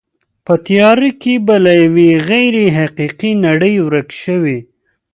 په تیاره کې به له یوې غیر حقیقي نړۍ ورک شوې.